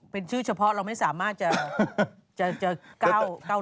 เป็นชื่อเฉพาะเราไม่สามารถจะเก้าโน้น